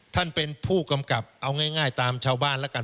ท่านเป็นผู้กำกับเอาง่ายตามชาวบ้านแล้วกัน